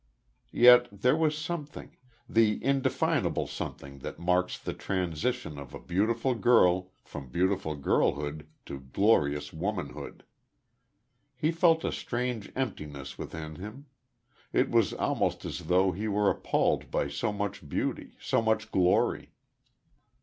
Yet, there was something the indefinable something that marks the transition of a beautiful girl from beautiful girlhood to glorious womanhood.... He felt a strange emptiness within him; it was almost as though he were appalled by so much beauty so much glory.